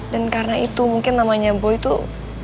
dan karena itu mungkin namanya boy tuh